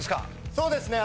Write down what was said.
そうですね